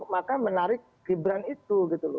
maka menarik ibran itu